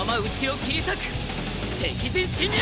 敵陣侵入！